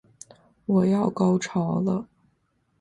我要高潮了